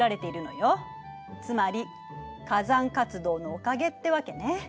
つまり火山活動のおかげってわけね。